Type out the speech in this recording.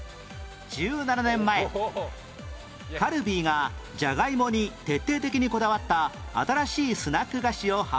１７年前カルビーがじゃがいもに徹底的にこだわった新しいスナック菓子を販売開始